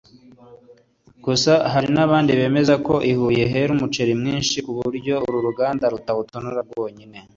Gusa hari n’abandi bemeza ko i Huye hera umuceri mwinshi ku buryo uru ruganda rutawutonora rwonyine